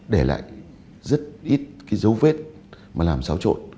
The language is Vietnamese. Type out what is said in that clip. để lại rất ít cái dấu vết mà làm xáo trộn